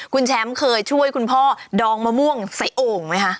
คุณแชมป์เคยช่วยคุณพ่อดองมะม่วงใส่โอ่งไหมคะ